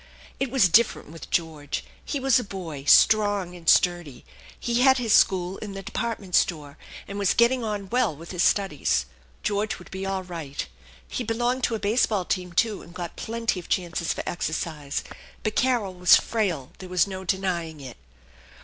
It was different with George; he was a boy, strong and sturdy; he had his school in the department store, and was getting on well with his studies. George would be all right. He belonged to a base ball team, too, and got plenty of chances for exercise; but Carol was frail, there was no denying i'v.